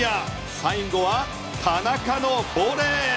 最後は田中のボレー。